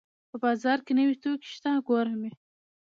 په بازار کې نوې توکي شته ګورم یې